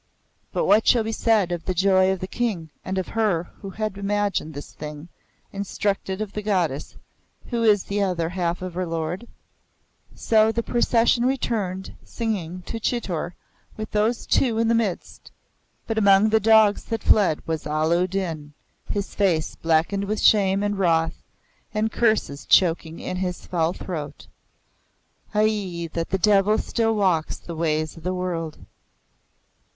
But what shall be said of the joy of the King and of her who had imagined this thing, instructed of the Goddess who is the other half of her Lord? So the procession returned, singing, to Chitor with those Two in the midst; but among the dogs that fled was Allah u Din, his face blackened with shame and wrath, the curses choking in his foul throat. (Aid! that the evil still walk the ways of the world!)